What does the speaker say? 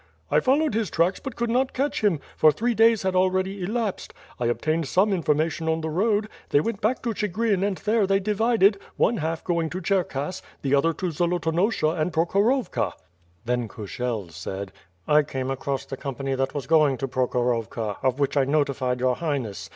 "I followed his tracks but could not catch him, for three days had already elapsed. I obtained some information on the road. They went back to Chigrin and there they divided, one half going to Cherkass, the other to Zolotonosha and Prokhorovka. Then Kurshel said: "I came across the company that was going to Prokhor ovka, of which I notified your Highness.